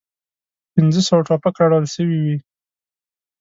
پنځه سوه توپک راوړل سوي وې.